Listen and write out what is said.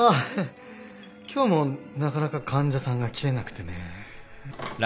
今日もなかなか患者さんが切れなくてね。